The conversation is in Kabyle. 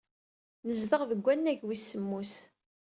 Nezdeɣ deg wannag wis semmus.